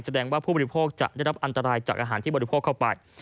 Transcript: แสดงว่าผู้บริโภคจะได้รับอันตรายจากอาหารที่บริโภคเข้าไป